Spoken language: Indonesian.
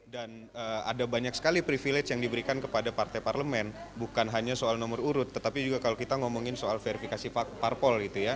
dan ada banyak sekali privilege yang diberikan kepada partai parlemen bukan hanya soal nomor urut tetapi juga kalau kita ngomongin soal verifikasi faktual